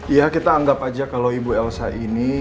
ya kita anggap aja kalau ibu elsa ini